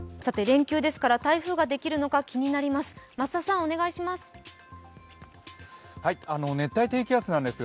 連休ですから台風ができるのか気になります。